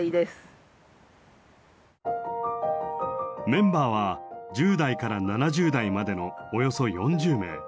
メンバーは１０代から７０代までのおよそ４０名。